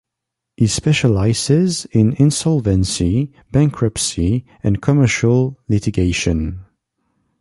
He specializes in insolvency, bankruptcy and commercial litigation.